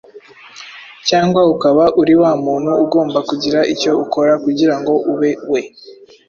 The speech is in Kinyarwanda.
cyangwa ukaba uri wa muntu ugomba kugira icyo ukora kugira ngo ube we?